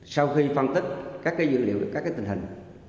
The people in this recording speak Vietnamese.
sau khi phân tích các dữ liệu các tình hình